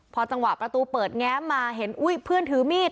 พอจังหวะประตูเปิดแง้มมาเห็นอุ้ยเพื่อนถือมีด